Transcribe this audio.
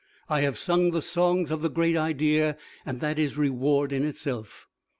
I have sung the songs of the Great Idea and that is reward in itself.